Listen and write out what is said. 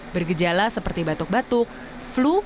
bergejala seperti batuk batuk flu